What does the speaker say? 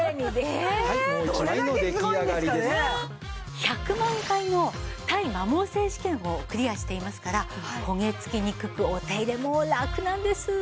１００万回の耐摩耗性試験をクリアしていますから焦げつきにくくお手入れもラクなんです。